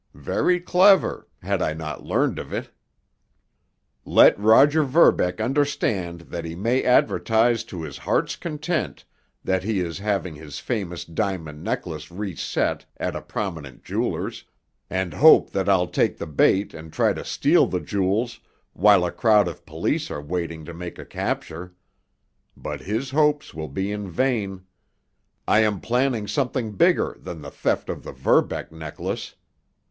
Very clever—had I not learned of it. Let Roger Verbeck understand that he may advertise to his heart's content that he is having his famous diamond necklace reset at a prominent jeweler's—and hope that I'll take the bait and try to steal the jewels while a crowd of police are waiting to make a capture—but his hopes will be in vain. I am planning something bigger than the theft of the Verbeck necklace.